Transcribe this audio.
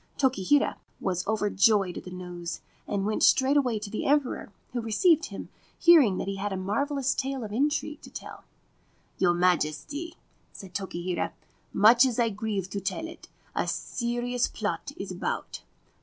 Tokihira was overjoyed at the news, and went straightway to the Emperor, who received him, hearing that he had a marvellous tale of intrigue to tell. ' Your Majesty/ said Tokihira, * much as I grieve to tell it, a serious plot is about.